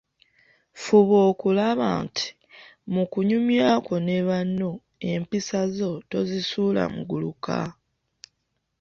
Fuba okulaba nti, mu kunyumya kwo ne banno, empisa zo tozisuula mu guluka.